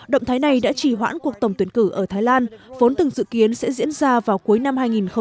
động thái này đã trì hoãn cuộc tổng tuyển cử ở thái lan vốn từng dự kiến sẽ diễn ra vào cuối năm hai nghìn hai mươi